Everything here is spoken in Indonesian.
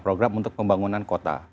program untuk pembangunan kota